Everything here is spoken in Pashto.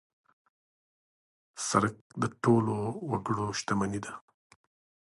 سړک د ټولو وګړو شتمني ده.